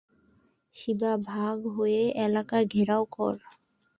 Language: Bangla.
শিবা, ভাগ হয়ে এলাকা ঘেরাও কর।